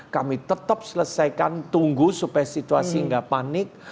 kami tetap selesaikan tunggu supaya situasi nggak panik